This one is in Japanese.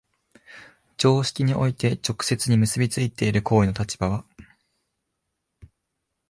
常識において直接に結び付いている行為の立場は、